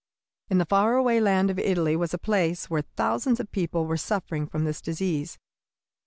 In the faraway land of Italy was a place where thousands of people were suffering from this disease.